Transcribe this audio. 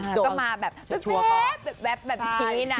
ก็มาแบบแบบแบบแบบแบบนี้นะ